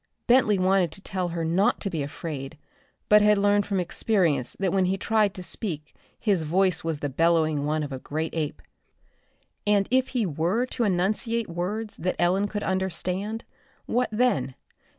Bentley wanted to tell her not to be afraid, but had learned from experience that when he tried to speak his voice was the bellowing one of a great ape. And if he were to enunciate words that Ellen could understand, what then?